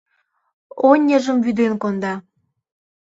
Оньыжым вӱден конда.